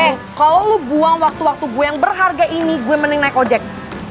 eh kalau lo buang waktu waktu gue yang berharga ini gue mending naik ojek